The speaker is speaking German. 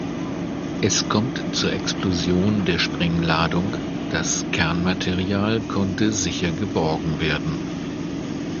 Es kommt zur Explosion der Sprengladung, das Kernmaterial konnte sicher geborgen werden.